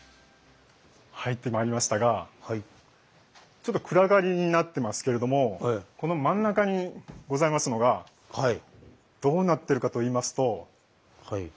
ちょっと暗がりになってますけれどもこの真ん中にございますのがどうなってるかといいますと。